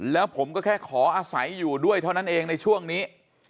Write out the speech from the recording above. แล้วผมก็แค่ขออาศัยอยู่ด้วยเท่านั้นเองในช่วงนี้